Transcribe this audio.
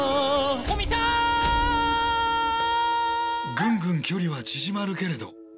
ぐんぐん距離は縮まるけれど。